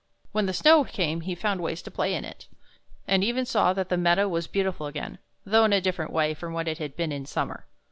When the snow came he found ways to play in it, and even saw that the meadow was beautiful again, though in a different way from what it had been in summer.